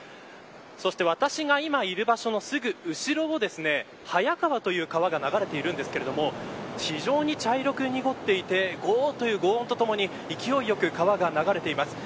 そして私が今いる場所のすぐ後ろをハヤカワという川が流れているんですが非常に茶色く濁っていてごう音とともに勢いよく川が流れています。